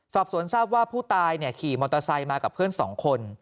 สอบสวนทราบว่าผู้ตายขี่มอเตอร์ไซค์มากับเพื่อน๒คน